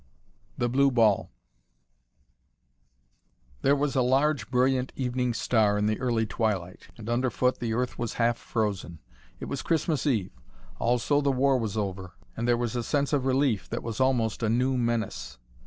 THE BLUE BALL There was a large, brilliant evening star in the early twilight, and underfoot the earth was half frozen. It was Christmas Eve. Also the War was over, and there was a sense of relief that was almost a new menace.